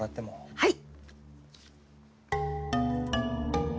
はい。